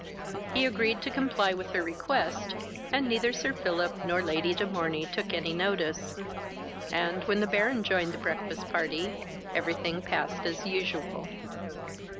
He agreed to comply with her request, and neither Sir Philip nor Lady de Morney took any notice; and, when the Baron joined the breakfast party, every thing passed as usual.